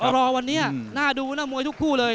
รอวันนี้น่าดูนะมวยทุกคู่เลย